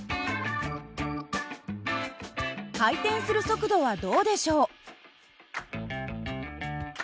回転する速度はどうでしょう？